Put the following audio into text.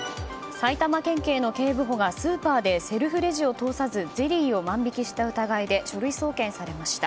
埼玉県警の警部補がスーパーでセルフレジを通さずゼリーを万引きした疑いで書類送検されました。